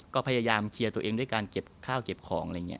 ก็พยายามเคลียร์ตัวเองด้วยการเก็บข้าวเก็บของ